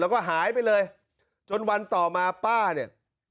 แล้วก็หายไปเลยจนวันต่อมาป้าเนี่ย